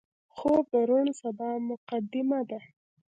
خوب د روڼ سبا مقدمه ده